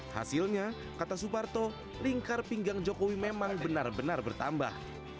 hasilnya kata suparto lingkar pinggang jokowi memang benar benar bertambah